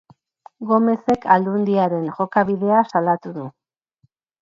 Gomezek Aldundiaren jokabidea salatu du.